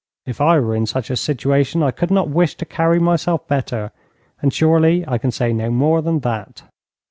If I were in such a situation I could not wish to carry myself better, and surely I can say no more than that.